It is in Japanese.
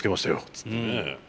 つってね。